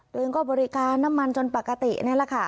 ตัวเองก็บริการน้ำมันจนปกตินี่แหละค่ะ